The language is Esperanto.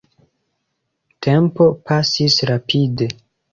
Tempo pasis rapide.